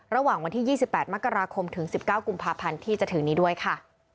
ระหว่างวันที่๒๘มกราคมถึง๑๙กุมภาพันธ์ที่จะถึงนี้ด้วยค่ะ